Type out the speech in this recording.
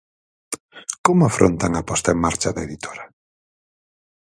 Como afrontan a posta en marcha da editora?